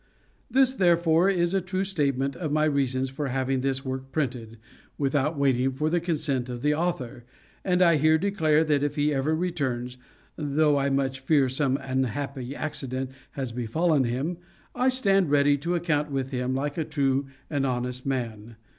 This, therefore, is a true statement of my reasons for having this work printed, without waiting for the consent of the author; and I here declare, that if he ever returns (though I much fear some unhappy accident has befallen him), I stand ready to account with him like a true and honest man.